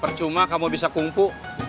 percuma kamu bisa kumpu